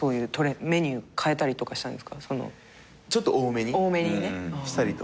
ちょっと多めにしたりとか。